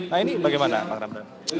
nah ini bagaimana pak ramdan